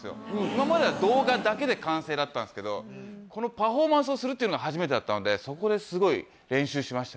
今までは動画だけで完成だったんですけどこのパフォーマンスをするっていうのが初めてだったのでそこですごい練習しましたね。